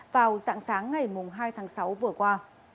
vào dạng sáng ngày hai tháng sáu vừa qua